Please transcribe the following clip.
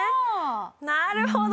なるほど！